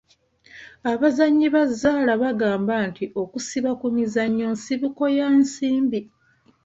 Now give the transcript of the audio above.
Abazannyi ba zzaala bagamba nti okusiba ku mizannyo nsibuko ya nsimbi.